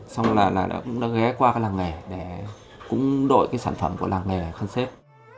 xong rồi đã ghé qua cái làng nghề để cũng đội cái sản phẩm của làng nghề khăn xếp